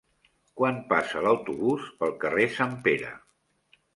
Quan passa l'autobús pel carrer Sant Pere?